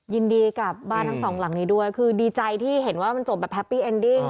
ยินดีกับบ้านทั้งสองหลังนี้ด้วยคือดีใจที่เห็นว่ามันจบแบบแฮปปี้เอ็นดิ้ง